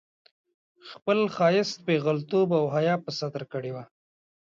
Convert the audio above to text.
خپل ښايیت، پېغلتوب او حيا په ستر کړې وه